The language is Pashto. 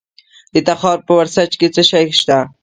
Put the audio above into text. د تخار په ورسج کې څه شی شته؟